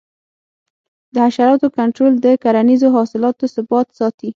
د حشراتو کنټرول د کرنیزو حاصلاتو ثبات ساتي.